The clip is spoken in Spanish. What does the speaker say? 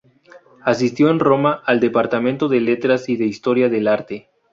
Asistió en Roma al Departamento de Letras y de Historia del Arte.